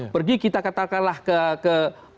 pergi kita katakanlah ke